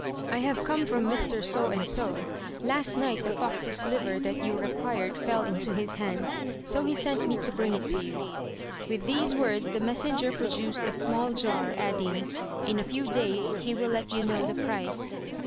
"I have come from Mr. So and so. Last night the fox's liver that you required fell into his hands; so he sent me to bring it to you." With these words the messenger produced a small jar, adding, "In a few days he will let you know the price."